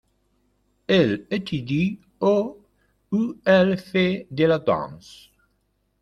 Elle étudie au ', où elle fait de la danse.